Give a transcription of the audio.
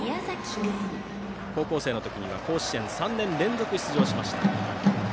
高校生の時には甲子園３年連続出場しました。